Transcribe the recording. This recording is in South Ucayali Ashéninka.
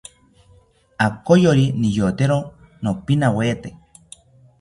Akoyori niyotero nopinawete